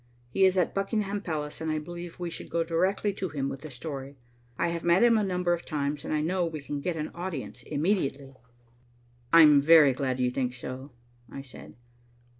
He is at Buckingham Palace, and I believe we should go directly to him with the story. I have met him a number of times, and I know we can get an audience immediately." "I'm very glad you think so," I said.